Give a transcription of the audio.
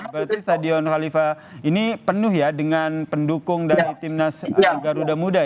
berarti stadion khalifah ini penuh ya dengan pendukung dari timnas garuda muda ya